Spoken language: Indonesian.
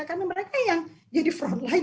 karena mereka yang jadi front line